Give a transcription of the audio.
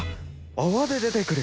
泡で出てくる。